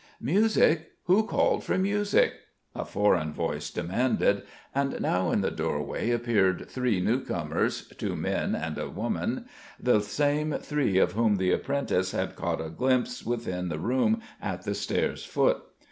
"Music? Who called for music?" a foreign voice demanded: and now in the doorway appeared three newcomers, two men and a woman the same three of whom the apprentice had caught a glimpse within the room at the stairs' foot.